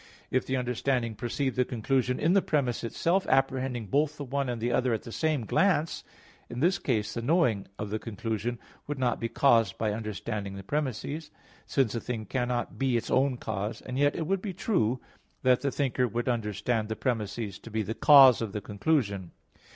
If the understanding perceive the conclusion in the premiss itself, apprehending both the one and the other at the same glance, in this case the knowing of the conclusion would not be caused by understanding the premisses, since a thing cannot be its own cause; and yet, it would be true that the thinker would understand the premisses to be the cause of the conclusion.